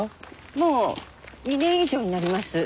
もう２年以上になります。